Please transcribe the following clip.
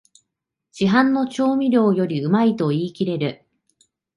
市販の調味料よりうまいと言いきれる